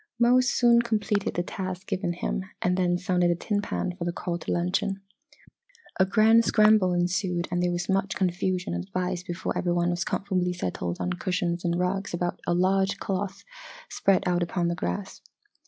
Mose soon completed the task given him and then sounded a tin pan for the call to luncheon. A grand scramble ensued and there was much confusion and advice before every one was comfortably settled on cushions and rugs about a large cloth spread out upon the grass.